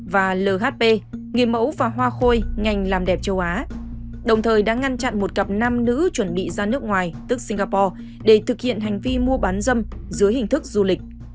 và lhp người mẫu và hoa khôi ngành làm đẹp châu á đồng thời đã ngăn chặn một cặp nam nữ chuẩn bị ra nước ngoài tức singapore để thực hiện hành vi mua bán dâm dưới hình thức du lịch